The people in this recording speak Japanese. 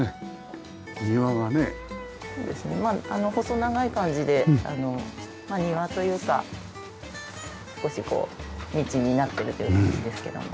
細長い感じで庭というか少しこう道になっているという形ですけども。